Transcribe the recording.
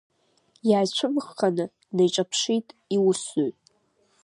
Иааицәымыӷханы днеиҿаԥшит иусзуҩ.